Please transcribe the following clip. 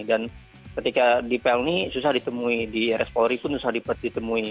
dan ketika di pelni susah ditemui di rs polri pun susah ditemui